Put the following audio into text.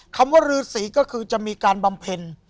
คำว่ารือสีก็คือจะมีการบำเพ็ญ